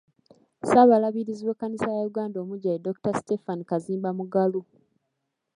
Ssaabalabirizi w’ekkanisa ya Uganda omuggya ye Dr. Stephen Kazimba Mugalu.